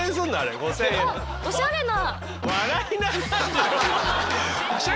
おしゃれな。